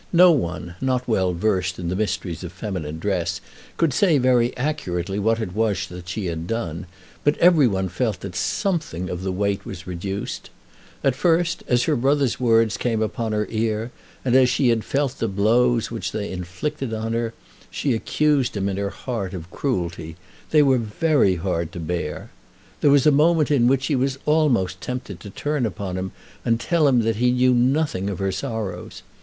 No one, not well versed in the mysteries of feminine dress, could say very accurately what it was that she had done; but every one felt that something of the weight was reduced. At first, as her brother's words came upon her ear, and as she felt the blows which they inflicted on her, she accused him in her heart of cruelty. They were very hard to bear. There was a moment in which she was almost tempted to turn upon him and tell him that he knew nothing of her sorrows.